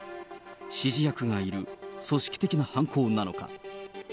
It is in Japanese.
指示役がいる組織的な犯行なのか。